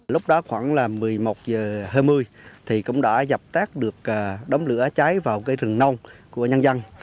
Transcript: lúc đó khoảng một mươi một giờ hai mươi cũng đã dập tác được đóng lửa cháy vào rừng nông của nhân dân